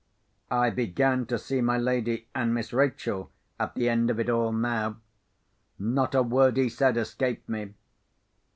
I began to see my lady and Miss Rachel at the end of it all, now. Not a word he said escaped me.